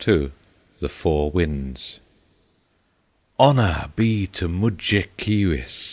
II The Four Winds "Honor be to Mudjekeewis!"